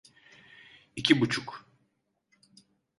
İki buçuk.